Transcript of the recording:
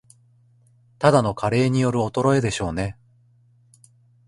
ただの加齢による衰えでしょうね